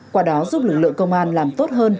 qua đó giúp lực lượng công an làm tốt hơn